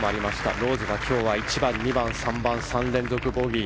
ローズが今日は１番、２番、３番と３連続ボギー。